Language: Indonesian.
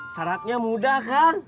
saratnya mudah kang